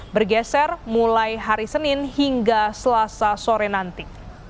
bergeser mulai hari senin hingga selasa sore nanti